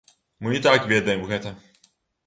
Мы і так ведаем гэта.